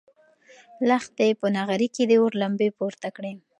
لښتې په نغري کې د اور لمبې پورته کړې.